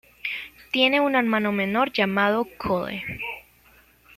Tiene un hermano menor llamado Cole.